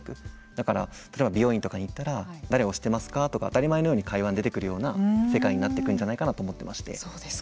だから例えば美容院とかに行ったら誰を推してますかとか当たり前に会話に出てくるような世界になっていくんじゃないかなと思っていまして